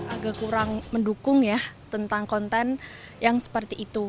agak kurang mendukung ya tentang konten yang seperti itu